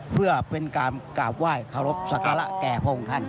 เพื่อเป็นการกราบไหว้ขอรบศักรระแก่พ่องท่าน